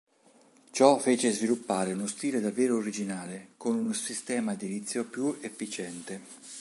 Ciò fece sviluppare uno stile davvero originale, con un sistema edilizio più efficiente.